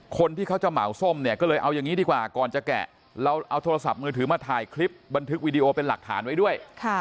คนที่เขาจะเหมาส้มเนี่ยก็เลยเอาอย่างนี้ดีกว่าก่อนจะแกะเราเอาโทรศัพท์มือถือมาถ่ายคลิปบันทึกวิดีโอเป็นหลักฐานไว้ด้วย